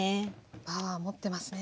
パワー持ってますね